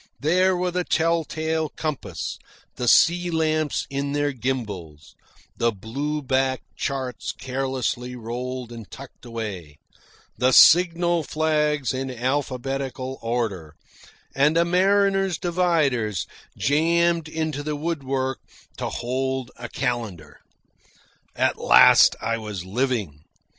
There were the tell tale compass, the sea lamps in their gimbals, the blue backed charts carelessly rolled and tucked away, the signal flags in alphabetical order, and a mariner's dividers jammed into the woodwork to hold a calendar. At last I was living.